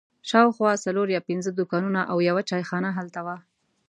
شاوخوا څلور یا پنځه دوکانونه او یوه چای خانه هلته وه.